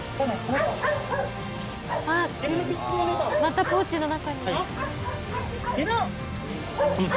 あっまたポーチの中に。